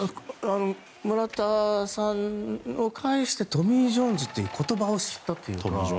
村田さんを介してトミー・ジョン手術という言葉を知ったというか。